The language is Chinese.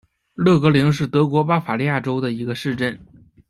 勒格灵是德国巴伐利亚州的一个市镇。